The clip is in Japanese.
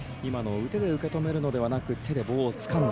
腕で受け止めるのではなく手で棒をつかんだ。